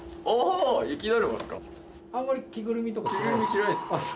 あんまり着ぐるみとか着ないすか？